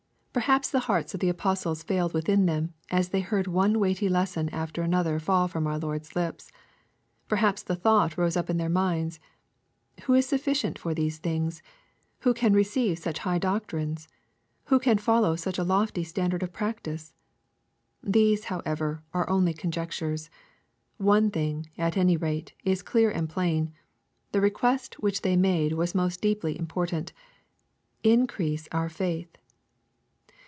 Perhaps the hearts of the apostles failed within them, as they heard one weighty lesson after another faU from our Lord's lips. Perhaps the thought rose up in their minds, "Who is sufficient for these things ? Who can receive such high doctrines ? Who can follow such a lofty standard of practice ?'' These, however, are only conjectures. One thing, at any rate, is clear and plain. The request which they made was most deeply important : "Increase our faith."